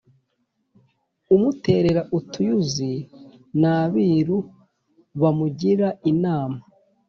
umuterera utuyuzi n'Abiru bamugira inama